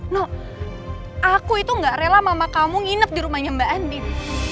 no aku itu gak rela mama kamu nginep di rumahnya mbak andi